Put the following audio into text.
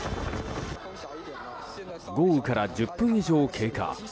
豪雨から１０分以上経過。